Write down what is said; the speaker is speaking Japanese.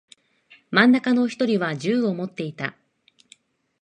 真ん中の一人は銃を持っていた。